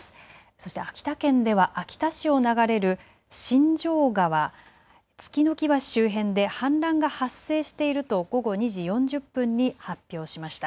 そして秋田県では秋田市を流れる新城川、槻ノ木橋周辺で氾濫が発生していると午後２時４０分に発表しました。